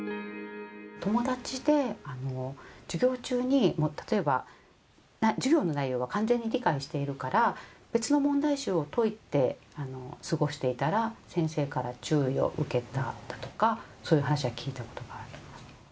友達で、授業中に例えば授業の内容は完全に理解してるから、別の問題集を解いて過ごしていたら、先生から注意を受けたとか、そういう話は聞いたことがあります。